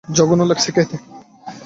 জঘন্য লাগছে খেতে।